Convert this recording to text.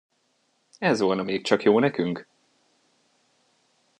Ez volna még csak jó nekünk!